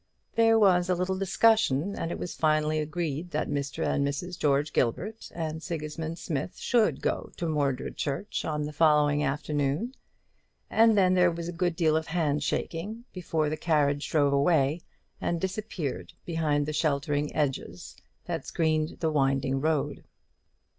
There was a little discussion; and it was finally agreed that Mr. and Mrs. George Gilbert and Sigismund should go to Mordred church on the following afternoon; and then there was a good deal of hand shaking before the carriage drove away, and disappeared behind the sheltering edges that screened the winding road.